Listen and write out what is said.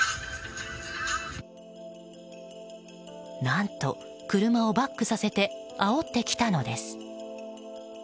何と車をバックさせてあおってきたのです。